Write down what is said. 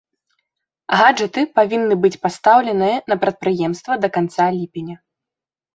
Гаджэты павінны быць пастаўленыя на прадпрыемства да канца ліпеня.